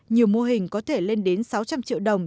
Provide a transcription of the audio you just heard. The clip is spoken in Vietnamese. nhiều mô hình có thể lên đến sáu trăm linh triệu đồng